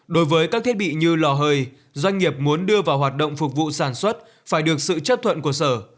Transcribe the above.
đối với các thiết bị như lò hơi doanh nghiệp muốn đưa vào hoạt động phục vụ sản xuất phải được sự chấp thuận của sở